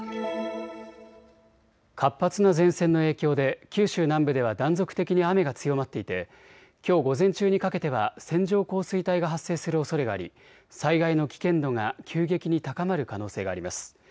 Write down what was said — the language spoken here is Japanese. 活発な前線の影響で九州南部では断続的に雨が強まっていてきょう午前中にかけては線状降水帯が発生するおそれがあり災害の危険度が急激に高まる可能性があります。